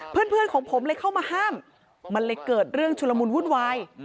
เพื่อนของผมเลยเข้ามาห้ามมันเลยเกิดเรื่องชุลมุนวุ่นวาย